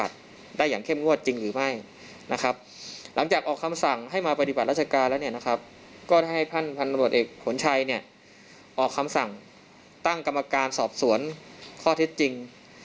ตั้งกรรมการสอบสวนข้อเท็จจริง